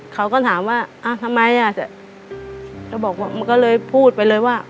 เขาก็ถามว่าทำไมอ่ะก็บอกว่ามันก็เลยพูดไปเลยว่า